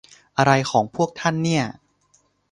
อะไรของพวกท่านเนี่ย